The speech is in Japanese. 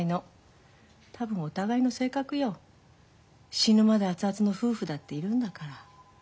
死ぬまで熱々の夫婦だっているんだから。